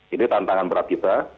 ini tantangan berat kita